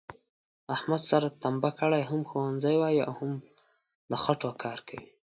احمد سر تمبه کړی، هم ښوونځی وایي او هم د خټوکار کوي،